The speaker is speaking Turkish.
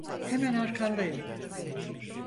Hemen arkandayım.